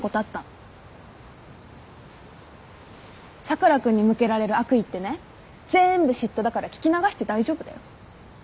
佐倉君に向けられる悪意ってね全部嫉妬だから聞き流して大丈夫だよ。